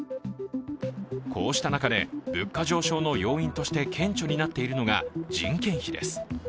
こうした中で、物価上昇の要因として顕著になっているのが人件費です。